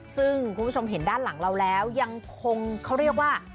ซึ่งคุณผู้ชมเห็นด้านหลังเราแล้วยังคงเขาเรียกว่า